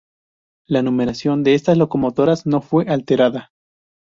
La numeración de estas locomotoras no fue alterada.